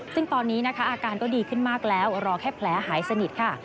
ซึ่งตอนนี้นะคะอาการก็ดีขึ้นมากแล้วรอแค่แผลหายสนิทค่ะ